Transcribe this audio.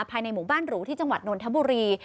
ภายในหมู่บ้านหรูที่จังหวัดนนทบุรี